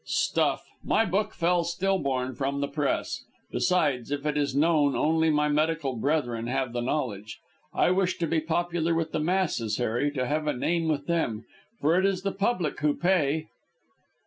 "Stuff! My book fell still born from the Press. Besides, if it is known, only my medical brethren have the knowledge. I wish to be popular with the masses, Harry, to have a name with them, for it is the public who pay."